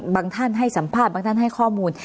ท่านให้สัมภาษณ์บางท่านให้ข้อมูล